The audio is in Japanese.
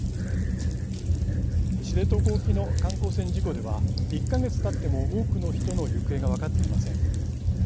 知床沖の観光船事故では１か月たっても多くの人の行方が分かっていません。